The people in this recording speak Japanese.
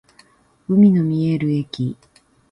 海の見える駅